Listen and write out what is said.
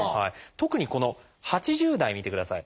特にこの８０代見てください。